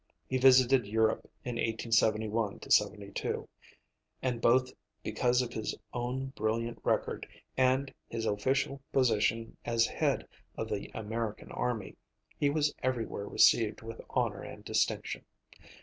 He visited Europe in 1871 72 and, both because of his own brilliant record, and his official position as head of the American army, he was everywhere received with honor and distinction.